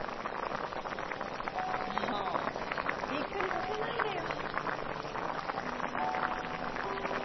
もうびっくりさせないでよ。